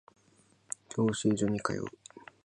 教習所に通う